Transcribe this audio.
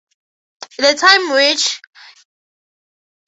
The time which Persephone had to spend underground was one third of the year.